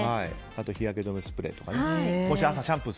あと日焼け止めスプレーとか。